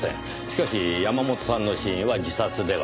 しかし山本さんの死因は自殺ではない。